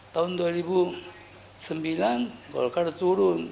tahun dua ribu sembilan golkar turun